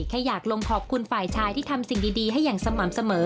แค่อยากลงขอบคุณฝ่ายชายที่ทำสิ่งดีให้อย่างสม่ำเสมอ